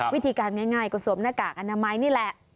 วิธีการง่ายก็สวมหน้ากากอนามัยนี่แหละ